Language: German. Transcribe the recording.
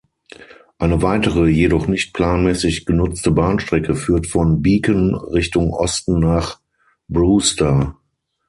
Eine weitere, jedoch nicht planmäßig genutzte Bahnstrecke führt von Beacon Richtung Osten nach Brewster.